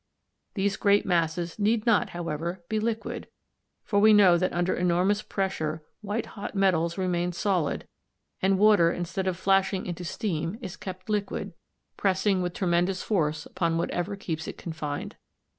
These great masses need not, however, be liquid, for we know that under enormous pressure white hot metals remain solid, and water instead of flashing into steam is kept liquid, pressing with tremendous force upon whatever keeps it confined.